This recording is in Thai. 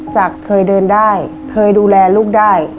จากเคยเดินได้เคยดูแลลูกได้